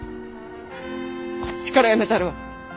こっちから辞めたるわ。